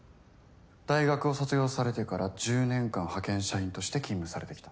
大学を卒業されてから１０年間派遣社員として勤務されてきた。